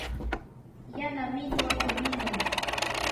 yana millwa quñunmi.